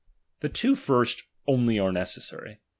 The two first only are necessary.